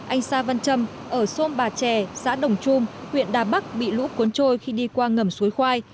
anh sa văn trâm ở thôn bà trè xã đồng trung huyện đà bắc bị lũ cuốn trôi khi đi qua ngầm suối khoai